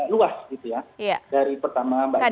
luas gitu ya